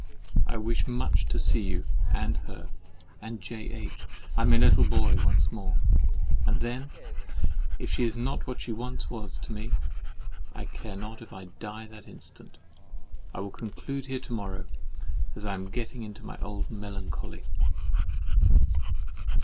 I wish much to see you and her and J. H. and my little boy once more; and then, if she is not what she once was to me, I care not if I die that instant. I will conclude here till to morrow, as I am getting into my old melancholy.